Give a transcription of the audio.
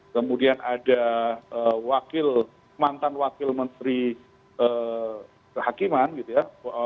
kemudian ada wakil mantan wakil menteri kehakiman gitu ya